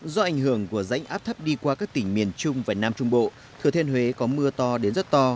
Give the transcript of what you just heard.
do ảnh hưởng của rãnh áp thấp đi qua các tỉnh miền trung và nam trung bộ thừa thiên huế có mưa to đến rất to